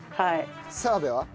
澤部は？